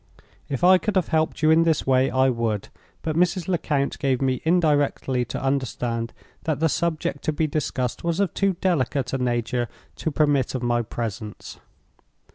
If I could have helped you in this way, I would; but Mrs. Lecount gave me indirectly to understand that the subject to be discussed was of too delicate a nature to permit of my presence.